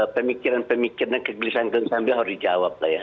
pemikiran pemikiran dan kegelisahan kegelisahan beliau harus dijawab lah ya